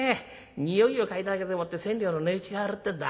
匂いを嗅いだだけでもって千両の値打ちがあるってんだ。